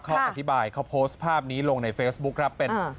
เขาอธิบายเขาโพสต์ภาพนี้ลงในเฟซบุ๊คครับเป็น